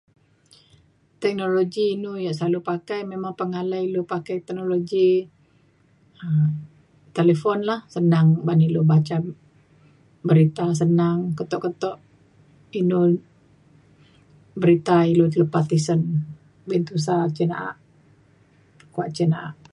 Teknologi inu ya selalu pakai memang pengalai ilu pakai teknologi telefon lah senang uban ilu baca berita senang keto keto inu berita ilu lepa tisen bek tusah cin naak kua' cin naak.